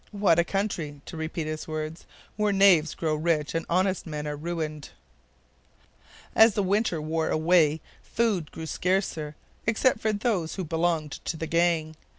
'What a country,' to repeat his words, 'where knaves grow rich and honest men are ruined!' As the winter wore away food grew scarcer except for those who belonged to the gang.